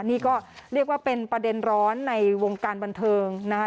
นี่ก็เรียกว่าเป็นประเด็นร้อนในวงการบันเทิงนะคะ